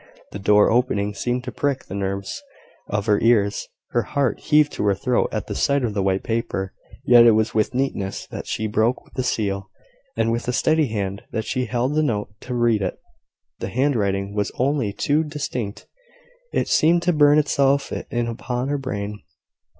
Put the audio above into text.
The door opening seemed to prick the nerves of her ears: her heart heaved to her throat at the sight of the white paper: yet it was with neatness that she broke the seal, and with a steady hand that she held the note to read it. The handwriting was only too distinct: it seemed to burn itself in upon her brain.